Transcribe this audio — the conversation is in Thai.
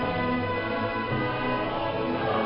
อาเมนอาเมน